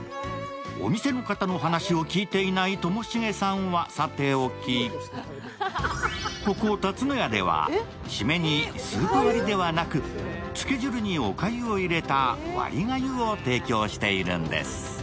お店の方の話を聞いていないともしげさんはさておきここ龍の家では締めにスープ割りではなく、つけ汁におかゆを入れた割り粥を提供しているんです。